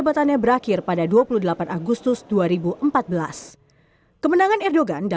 kami siap untuk melindungi mereka